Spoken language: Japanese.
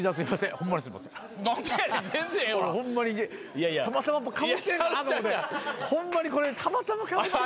ホンマにこれたまたまか。